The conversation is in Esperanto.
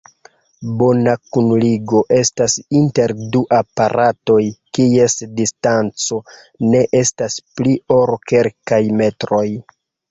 Bona kunligo estas inter du aparatoj, kies distanco ne estas pli ol kelkaj metroj.